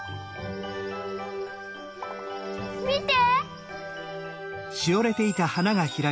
みて！